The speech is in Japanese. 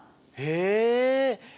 へえ！